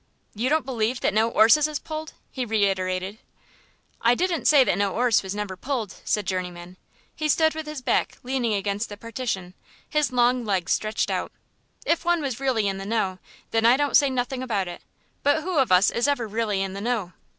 "You don't believe that no 'orses is pulled?" he reiterated. "I didn't say that no 'orse was never pulled," said Journeyman. He stood with his back leaning against the partition, his long legs stretched out. "If one was really in the know, then I don't say nothing about it; but who of us is ever really in the know?"